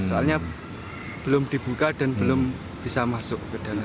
soalnya belum dibuka dan belum bisa masuk ke dana